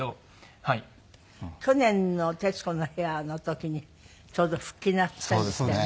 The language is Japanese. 去年の『徹子の部屋』の時にちょうど復帰なすったんでしたよね。